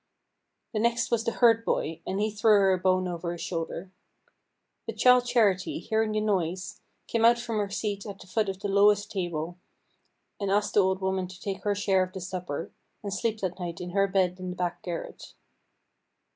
The next was the herd boy, and he threw her a bone over his shoulder. But Childe Charity, hearing the noise, came out from her seat at the foot of the lowest table, and asked the old woman to take her share of the supper, and sleep that night in her bed in the back garret.